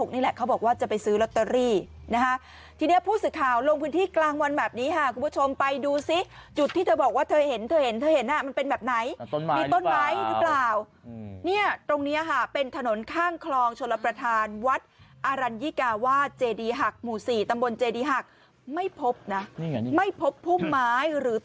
นี่แหละเขาบอกว่าจะไปซื้อลอตเตอรี่นะฮะทีนี้ผู้สื่อข่าวลงพื้นที่กลางวันแบบนี้ค่ะคุณผู้ชมไปดูซิจุดที่เธอบอกว่าเธอเห็นเธอเห็นเธอเห็นมันเป็นแบบไหนมีต้นไม้หรือเปล่าเนี่ยตรงนี้ค่ะเป็นถนนข้างคลองชลประธานวัดอรัญญิกาวาสเจดีหักหมู่๔ตำบลเจดีหักไม่พบนะไม่พบพุ่มไม้หรือต